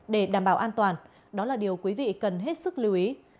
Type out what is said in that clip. để đảm bảo an toàn đó là điều quý vị cần hết sức lưu ý